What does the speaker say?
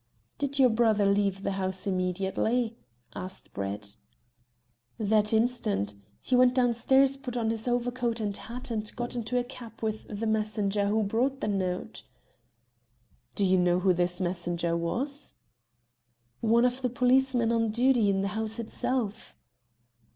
"Did your brother leave the house immediately?" asked Brett. "That instant. He went downstairs, put on his overcoat and hat, and got into a cab with the messenger who brought the note." "Do you know who this messenger was?" "One of the policemen on duty in the house itself."